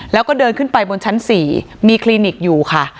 แล้วก็เดินขึ้นไปบนชั้น๔มีคลินิกอยู่ค่ะ